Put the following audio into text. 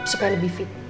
suka lebih fit